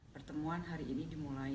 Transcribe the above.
pertemuan hari ini dimulai